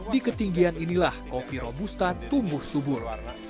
di ketinggian inilah kopi robusta tumbuh subur